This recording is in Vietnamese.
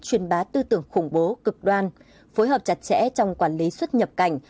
truyền bá tư tưởng khủng bố cực đoan phối hợp chặt chẽ trong quản lý xuất nhập cảnh